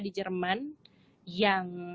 di jerman yang